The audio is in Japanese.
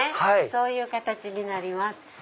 そういう形になります。